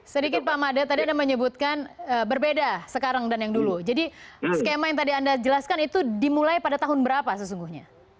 sedikit pak mada tadi anda menyebutkan berbeda sekarang dan yang dulu jadi skema yang tadi anda jelaskan itu dimulai pada tahun berapa sesungguhnya